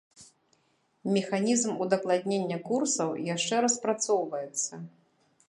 Механізм удакладнення курсаў яшчэ распрацоўваецца.